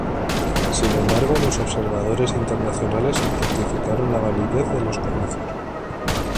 Sin embargo los observadores internacionales certificaron la validez de los comicios.